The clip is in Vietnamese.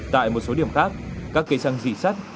tại một số điểm khác các cây xăng dì sắt